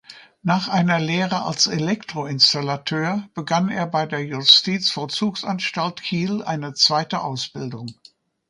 Nach einer Lehre als Elektroinstallateur begann er bei der Justizvollzugsanstalt Kiel eine zweite Ausbildung.